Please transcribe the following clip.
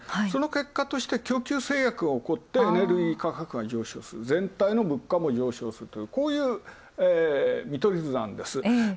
その結果として、供給制約が起こって、エネルギー価格が上昇する、全体の物価も上昇すると、こういう見取り図なんです。